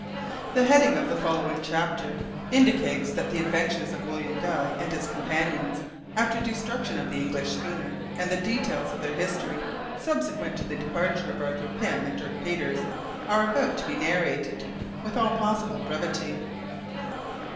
The heading of the following chapter indicates that the adventures of William Guy and his companions after the destruction of the English schooner, and the details of their history subsequent to the departure of Arthur Pym and Dirk Peters, are about to be narrated with all possible brevity.